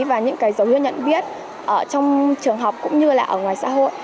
và những cái dấu hiệu nhận biết trong trường học cũng như là ở ngoài xã hội